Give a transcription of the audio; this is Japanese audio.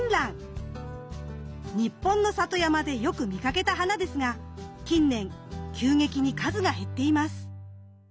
日本の里山でよく見かけた花ですが近年急激に数が減っています。